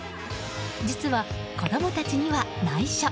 実は、子供たちには内緒。